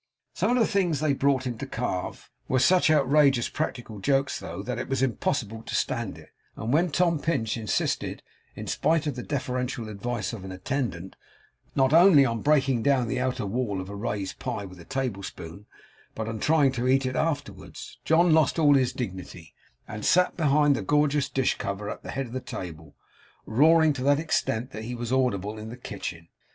Some of the things they brought him to carve, were such outrageous practical jokes, though, that it was impossible to stand it; and when Tom Pinch insisted, in spite of the deferential advice of an attendant, not only on breaking down the outer wall of a raised pie with a tablespoon, but on trying to eat it afterwards, John lost all dignity, and sat behind the gorgeous dish cover at the head of the table, roaring to that extent that he was audible in the kitchen.